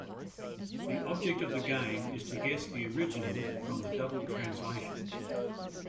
The object of the game is to guess the original from the double translation.